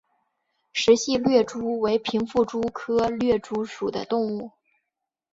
石隙掠蛛为平腹蛛科掠蛛属的动物。